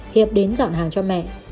hiệp đến dọn hàng cho mẹ